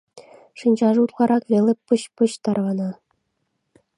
Шинчаже утларак веле пыч-пыч тарвана.